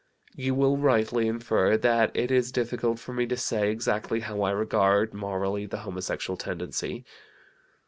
"You will rightly infer that it is difficult for me to say exactly how I regard (morally) the homosexual tendency.